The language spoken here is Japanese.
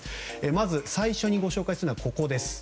まず、最初にご紹介するのはここです。